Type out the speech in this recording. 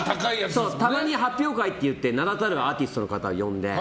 たまに発表会といって名だたるアーティストを呼んで。